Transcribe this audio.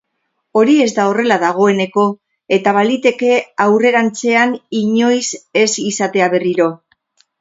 Hori ez da horrela dagoeneko, eta baliteke aurrerantzean inoiz ez izatea berriro.